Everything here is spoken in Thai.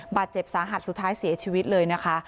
บาดเจ็บสาหัสสุดท้ายเสียชีวิตเลยนะคะ